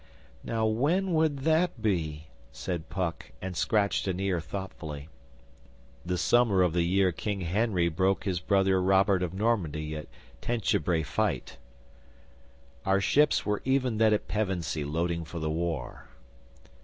'Now when would that be?' said Puck, and scratched an ear thoughtfully. 'The summer of the year King Henry broke his brother Robert of Normandy at Tenchebrai fight. Our ships were even then at Pevensey loading for the war.